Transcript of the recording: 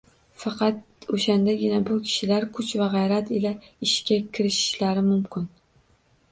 Faqat o‘shandagina bu kishilar kuch va g‘ayrat ila ishga kirishishlari mumkin.